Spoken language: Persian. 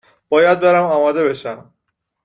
باید برم آماده بشم